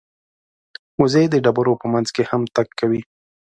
وزې د ډبرو په منځ کې هم تګ کوي